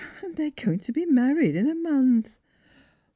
And they are going to be married in a month!